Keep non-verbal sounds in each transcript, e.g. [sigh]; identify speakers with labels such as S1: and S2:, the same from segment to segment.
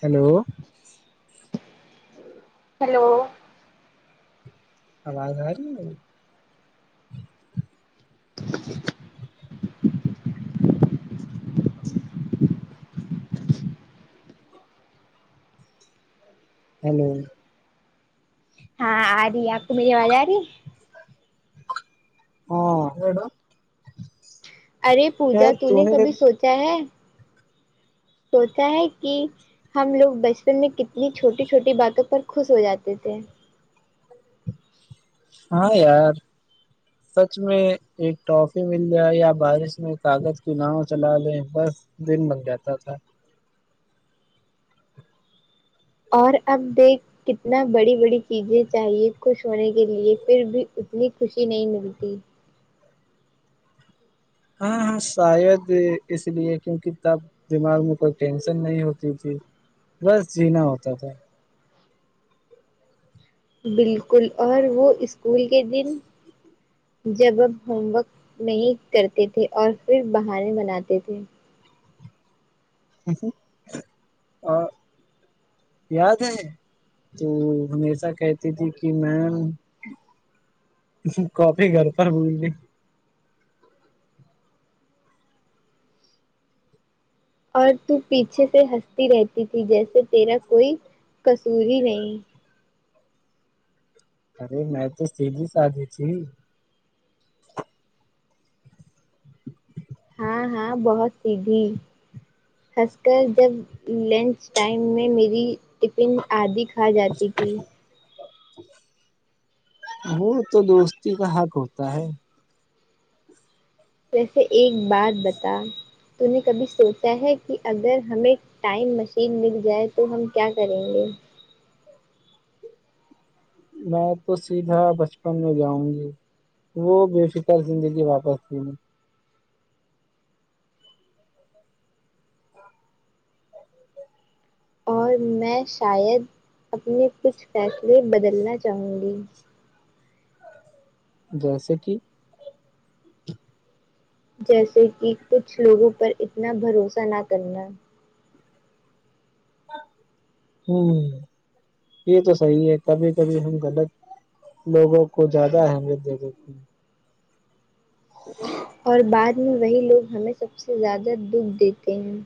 S1: hello
S2: hello
S1: آواز آرہی ہے میری ہیلو
S2: ہاں آرہی ہے آپ کو میری آواز آرہی ہے
S1: ہاں
S2: ارے پوجا تو نے کبھی سوچا ہے سوچا ہے کی ہم لوگ بچپن میں کتنی چھوٹی چھوٹی باتوں پر خوش ہوجاتے تھے
S1: ہاں یار سچ میں ایک ٹافی مل جائے یا بارش میں کاغذ کی ناؤ چلا لیں بس دن بن جاتا تھا
S2: اور اب دیکھ کتنا بڑی بڑی چیزیں چاہیے خوش ہونے کے لیے پھر بھی اتنی خوشی نہیں ملتی
S1: ہاں ہاں شاید اس لیے کیونکہ تب دماغ میں کوئی ٹینشن نہیں ہوتی تھی بس جینا ہوتا تھا
S2: بالکل اور وہ اسکول کے دن جب جب ہوم ورک نہیں کرتے تھے اور پھر بہانے بناتے تھے
S1: [unintelligible] اور یاد ہے تو ہمیشہ کہتی تھی کہ میم کاپی گھر پر بھول گئ
S2: اور تو پیچھے سے ہنستی رہتی تھی جیسے تیرا کوئی قصور ہی نہیں
S1: ارے میں تو سیددھی سادھی تھی
S2: ہاں ہاں بہت سیدھی خاص کر جب لنچ ٹائم میں میری ٹفن آدھی کھا جاتی تھی
S1: وہ تو دوستی کا حق ہوتا ہے
S2: ویسے ایک بات بتا تو نے کبھی سوچا ہے کہ اگر ہمیں ٹائم مشین مل جائے تو ہم کیا کریں گے
S1: میں تو سیدھا بچپن میں جاؤں گی وہ بے فکر زندگی واپس جینے
S2: اور میں شاید اپنے کچھ فیصلے بدلنا چاہوں گی
S1: جیسے کہ
S2: جیسے کہ کچھ لوگوں پر اتنا بھروسہ نہ کرنا
S1: ہوں یہ تو صحیح ہے کبھی کبھی ہم غلط لوگوں کو زیادہ اہمیت دے دیتے ہیں
S2: اور بعد میں وہی لوگ ہمیں سب سے زیادہ دکھ دیتے ہیں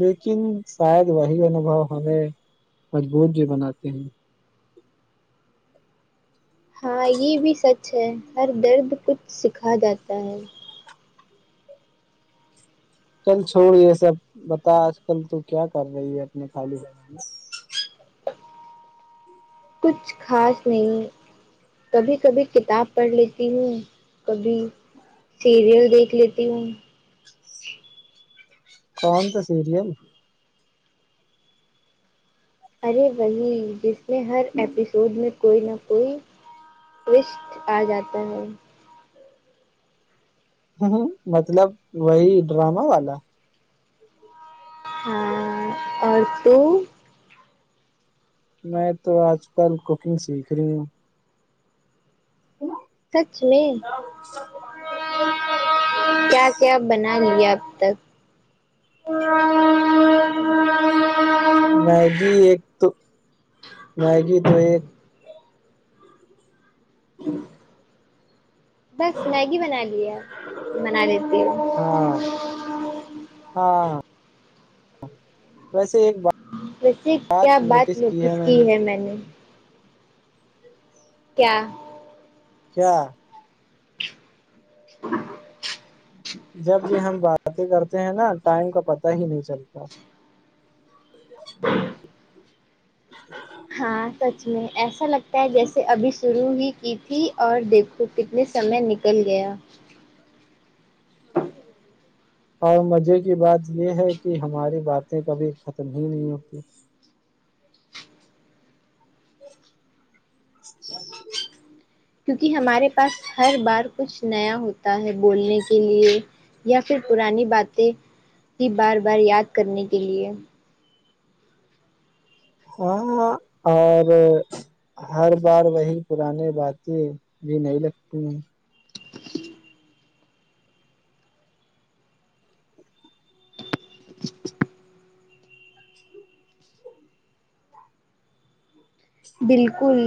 S1: لیکن شاید وہی ان انوبھو ہمیں مضبوط بھی بناتے ہیں
S2: ہاں یے بھی سچ ہے ہر درد کچھ سکھا جاتا ہے
S1: چل چھوڑ یےسب بتا آج کل تو کیا کر رہی ہے اپنے خالی میں
S2: کچھ خاص نہیں کبھی کبھی کتاب پڑھ لیتی ہوں کبھی سیریل دیکھ لیتی ہوں
S1: کونسا سیریل
S2: ارے وہی جس میں ہر ایپیسوڈ میں کوئی نہ کوئی ٹویسٹ آ جاتا ہے
S1: ہ مطلب وہی ڈرامہ والا
S2: ہ اور تو
S1: میں تو آج کل کوکنگ سیکھ رہی ہوں [unintelligible]
S2: کچھ نہیں کیا کیا بنا لیا اب تک [inaudible]
S1: میگی ایک تو میگی تو ایک
S2: بس میگی بنا لییا بنا لیتی ہو
S1: ہاں ہاں ویسے ایک بات
S2: ویسے کیا بات نوٹس کی ہے میں نے کیا
S1: کیا
S2: [inaudible]
S1: جب بھی ہم باتیں کرتے ہیں نا ٹائم کا پتا ہی نہیں چلتا
S2: [inaudible] ہاں سچ میں ایسا لگتا ہے جیسے ابھی شروع ہی کی تھی اور دیکھو تو کتنے سمے نکل گیا
S1: اور مجے کی باتے ہے کی ہماری باتیں کبھی ختم ہی نہیں ہوتی
S2: کیونکی ہمارے پاس ہر بار کچھ نیا ہوتا ہے بولنے کے لیے یا فیر پرانی باتیں کی بار بار یاد کرنے کے لیے
S1: ہاں اور ہر بار وہی پرانی باتیں بھی نہیں لگتی ہیں
S2: بالکل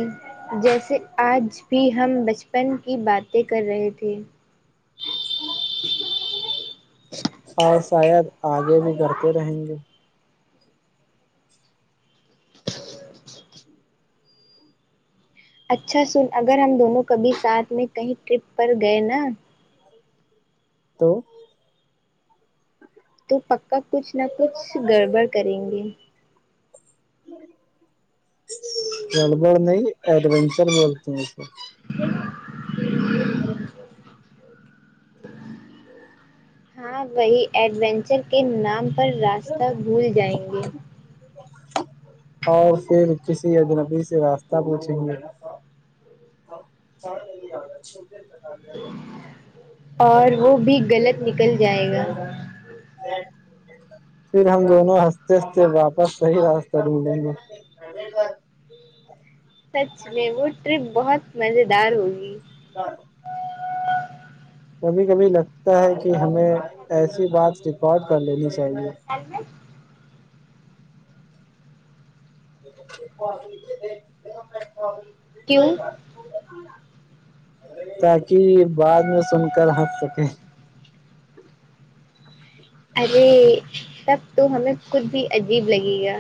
S2: جیسے آج بھی ہم بچ پن کی باتیں کر رہے تھے
S1: اور شاید آگے بھی کرتے رہیں گے
S2: اچھا سن اگر ہم دونوں کبھی ساتھ میں کہیں ٹرپ پر گئے نا
S1: تو
S2: تو پکا کچھ نہ کچھ گڑبڑ کریں گے
S1: گڑبڑ نہیں ایڈینچر بولتے ہیں
S2: [inaudible] ہاں وہی ایڈونچر کے نام پر راستہ بھول جائیں گے
S1: اور فر کسی اجنبی سے راستہ پوچھیں گے [unintelligible]
S2: اور وہ بھی غلط نکل جائے گا
S1: پھر ہم دونوں ہنستے ہنستے واپس صحیح راستہ ڈھونڈے گے
S2: سچ میں وہ ٹرپ بہت مزیدار ہوگی
S1: ہ [unintelligible] کبھی کبھی لگتا ہے کہ ہمیں ایسی بات ریکارڈ کر لینی چاہیے
S2: ال [unintelligible]
S1: [unintelligible]
S2: کیوں
S1: تاک بعد میں سن کر ہنس سکے
S2: ارے تب تو ہمیں خود بھی عجیب لگے گا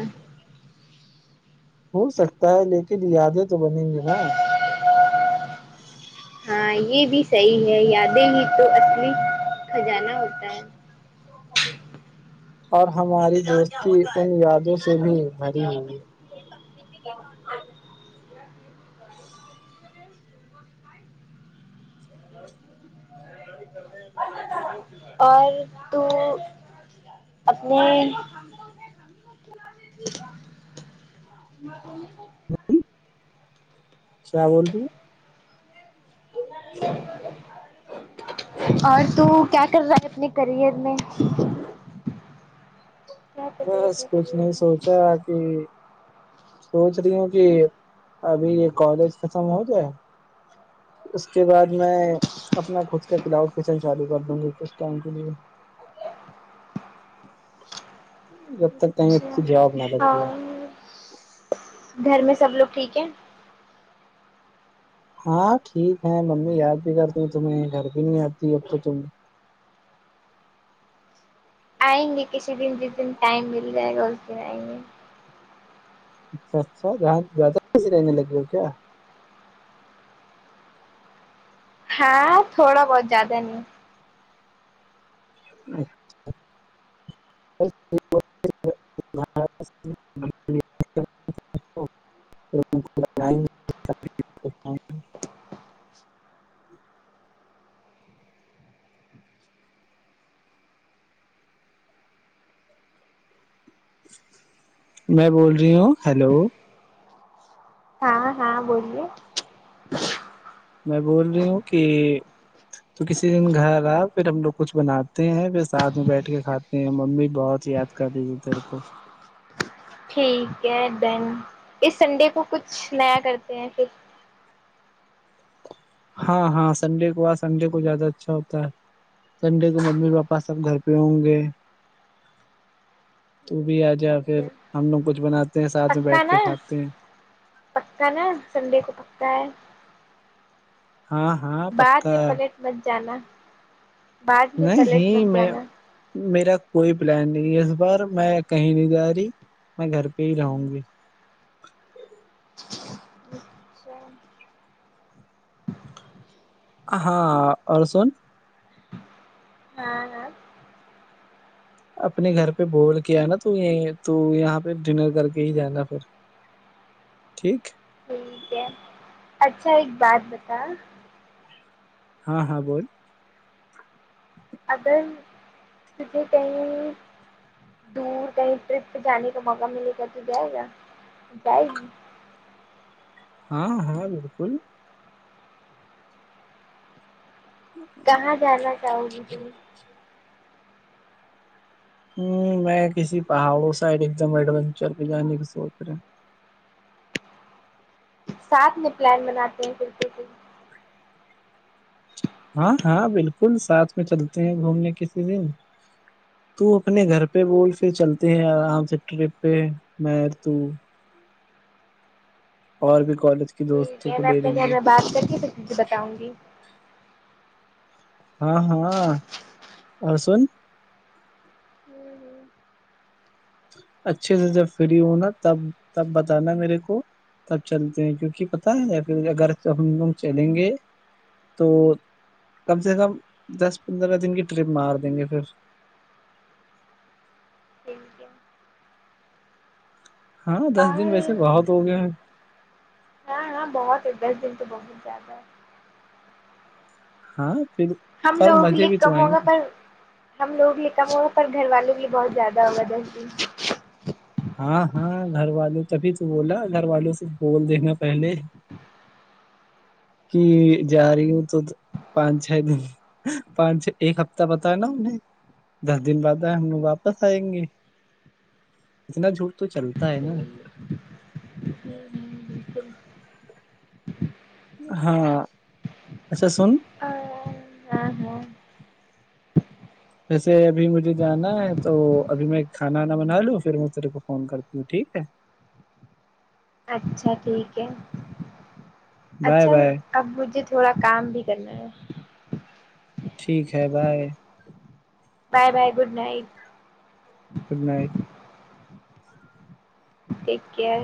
S1: ہو سکتا ہے لیکن یادیں تو بنیں گے نا
S2: ہاں یہ بھی صحیح ہے یادیں ہی تو اپنے خجانہ ہوتا ہے
S1: اور ہماری دوستی ان یادوں سے بھی بھری ہوئی
S2: اور تو اپنی
S1: کیا بولتی
S2: اور تو کیا کر رہا ہے اپنے کریئر میں کیا کر رہی ہے
S1: بس
S2: اپنے
S1: کچھ
S2: کریئر
S1: نہیں
S2: میں
S1: سوچا کہ سوچ رہی ہوں کہ ابھی یہ کالج ختم ہو جائے اس کے بعد میں اپنا خود کا کلاؤڈ کچن چالو کر دوں گا کچھ ٹائم کے لیے جب تک کہیں
S2: اچھا
S1: اچھی جاب نہ لگ جائے
S2: اور گھر میں سب لوگ ٹھیک ہے
S1: ہاں ٹھیک ہے ممی یاد بھی کرتی تمہیں گھر بھی نہیں آتی اب تو تم
S2: آئیں گے کسی دن جس دن ٹائم مل جائے گا اس دن آئیں گے
S1: اچھا اچھا جہاں زیادہ بزی رہنے لگے ہو کیا
S2: ہاں تھوڑا بہت زیادہ نہیں
S1: مار [unintelligible] میں بول رہی ہوں ہیلو
S2: ہاں ہاں بولیے
S1: میں بول رہی ہوں کہ تو کسی دن گھر آ پھر ہم لوگ کچھ بناتے ہیں پھر ساتھ میں بیٹھ کے کھاتے ممی بہت یاد کر رہی تھی تیرے کو
S2: ٹھیک ہے ڈن اس سنڈے کو کچھ نیا کرتے ہیں پھر
S1: ہاں ہاں سنڈے کو سنڈے کو زیادہ اچھا ہوتا ہے سنڈے کو ممی پاپا سب گھر پہ ہوں گے تو بھی آ جا
S2: ٹھیک
S1: پھر
S2: ہے،
S1: ہم لوگ کچھ بناتے ہیں ساتھ میں
S2: پکا
S1: بیٹھ
S2: نا
S1: کے کھاتے ہیں
S2: پکا نا سنڈے کو پکا ہے
S1: ہاں ہاں
S2: بعد
S1: پکا
S2: میں پلٹ مت جانا بعد میں پلٹ
S1: نہیں
S2: مت
S1: میں
S2: جانا
S1: میرا کوئی پلان نہیں ہے اس بار میں کہیں نہیں جا رہی میں گھر پہ ہی رہوں گی ہاں اور سن
S2: ہاں ہاں
S1: اپنے گھر پہ بول کے آناا تو یہ تو یہاں پہ ڈنر کر کے ہی جانا پھر ٹھیک
S2: ٹھیک ہے اچھا ایک بات بتا
S1: ہاں ہاں بول
S2: اگر تجھے کہیں دور کہیں ٹرپ پہ جانے کا موقع ملے گا تو جائے گا جائے گی
S1: ہاں ہاں بالکل
S2: کہاں جانا چاہو گی تم
S1: ہوں میں کسی پہاڑوں سائڈ ایک دم ایڈونچر پہ جانے کا سوچ رہے
S2: ساتھ میں پلان بناتے ہیں پھرتے
S1: ہاں ہاں بالکل ساتھ میں چلتے ہیں گھومنے کے لیے تو اپنے گھر پہ بول پھر چلتے ہیں آرام سے ٹرپ پہ میں تو اور بھی کالج کے
S2: ٹھیک
S1: دوستوں
S2: ہے
S1: کو
S2: میں
S1: لے
S2: اپنے
S1: لیں
S2: گھر
S1: گے
S2: میں بات کر کے پھر تجھے بتاؤں گی
S1: ہاں ہاں اور سن اچھے سے جب فری ہو نا تب تب بتانا میرے کو تب چلتے ہیں کیونکہ پتہ ہے یا پھر اگر تو ہم لوگ چلیں گے تو کم سے کم دس پندرہ دن کی ٹرپ مار دیں گے پھر
S2: [unintelligible]
S1: ہاں دس دن
S2: اور
S1: ویسے بہت ہو گیا ہیں
S2: ہاں ہاں بہت ہے دس دن تو بہت زیادہ ہے
S1: ہاں پھر
S2: ہم
S1: اور
S2: لوگوں کے
S1: مزے
S2: لیے
S1: بھی تو
S2: کم
S1: آئیں
S2: ہوگا
S1: گے
S2: پر ہم لوگ لیے کم ہوا پر گھر والوں کے لیے بہت زیادہ ہوا دس دن
S1: ہاں ہاں گھر والے تبھی تو بولا گھر والوں سے بول دینا پہلے کہ جا رہی ہوں تو پانچ چھ دن پانچ ایک ہفتہ بتا نا دس دن بعد آئے ہم لوگ واپس آئیں گے اتنا جھوٹ تو چلتا ہے نا
S2: بالکل
S1: ہاں اچھا سن
S2: ا ہاں ہاں
S1: ویسے ابھی مجھے جانا ہے تو ابھی میں کھاناا بنا لوں پھر میں تیرے کو فون کرتی ہوں ٹھیک ہے
S2: اچھا ٹھیک ہے
S1: بائے
S2: اچھا
S1: بائے
S2: اب مجھے تھوڑا کام بھی کرنا ہے
S1: ٹھیک ہے bye
S2: bye bye good night
S1: good night
S2: take care